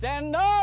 cendol manis dingin